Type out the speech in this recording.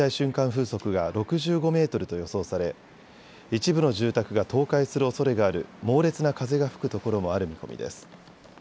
風速が６５メートルと予想され一部の住宅が倒壊するおそれがある猛烈な風が吹くところもある見込みです。